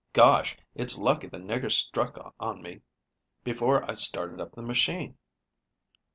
"Gosh! It's lucky the nigger struck on me before I started up the machine."